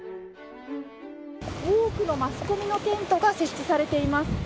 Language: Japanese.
多くのマスコミのテントが設置されています。